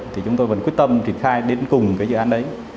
thì chúng tôi vẫn quyết tâm triển khai đến cùng cái dự án đấy